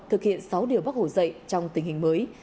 thực hiện sáu điều bác hồ dạy trong tình hình mới